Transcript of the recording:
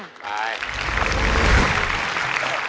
ใช่